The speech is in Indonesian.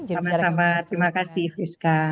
sama sama terima kasih rizka